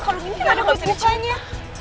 kalung ini ga ada ngubicinnya